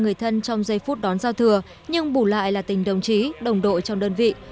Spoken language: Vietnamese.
người thân trong giây phút đón giao thừa nhưng bù lại là tình đồng chí đồng đội trong đơn vị